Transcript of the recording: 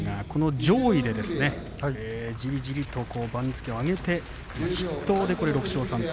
上位でじりじりと番付を上げて筆頭で６勝３敗。